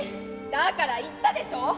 「だから言ったでしょ？